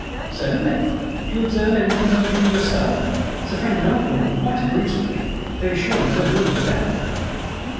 "Certainly. Do you observe anything unusual yourself? Sir Frank Narcombe quite agrees with me. There is surely no room for doubt?"